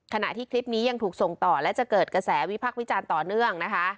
ขณะที่คลิปนี้ยังถูกส่งต่อและจะเกิดกระแสวิพักษ์วิจารณ์ต่อเนื่องนะคะ